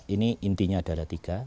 ini intinya adalah tiga